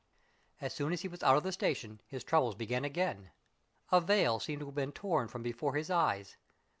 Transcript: As soon as he was out of the station, his troubles began again. A veil seemed to have been torn from before his eyes.